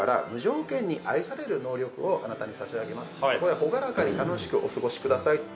朗らかに楽しくお過ごしくださいと。